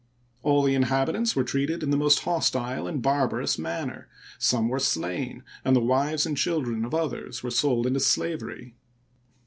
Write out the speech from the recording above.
All the inhabitants were treated in the most hostile and barbarous manner ; some were slain, and the wives and children of others were sold into slavery.